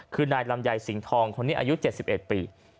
คือนายลำไยสิงห์ทองคนนี้อายุ๗๑ปี